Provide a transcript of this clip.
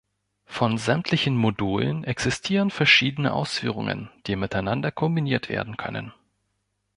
Von sämtlichen Modulen existieren verschiedene Ausführungen, die miteinander kombiniert werden können.